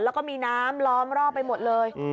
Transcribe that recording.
แล้วก็มีน้ำล้อมรอบไปหมดเลย